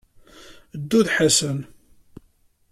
Ddu d Ḥasan.